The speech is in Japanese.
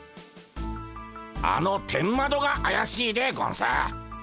あの天窓があやしいでゴンス。